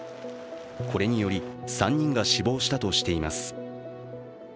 これにより３人が死亡したとしています。